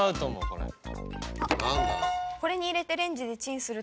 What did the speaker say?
これに入れて。